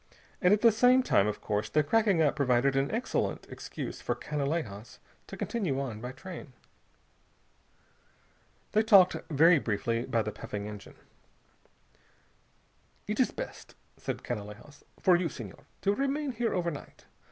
And at the same time, of course, the cracking up provided an excellent excuse for Canalejas to continue on by train. They talked very briefly by the puffing engine. "It is best," said Canalejas, "for you, Senhor, to remain here overnight.